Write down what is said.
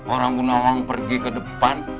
orang bu nawang pergi ke depan